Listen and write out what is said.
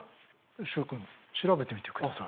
習君調べてみてください。